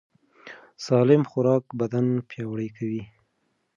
سالم خوراک بدن پیاوړی کوي.